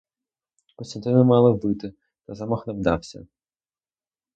Костянтина мали вбити, та замах не вдався.